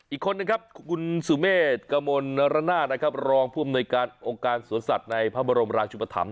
อีกคนคุณสูนเมศจันนรนาดร้องผู้อำนวยงานองค์การศูนย์สัตว์ในภะมบรมราชิงธรรม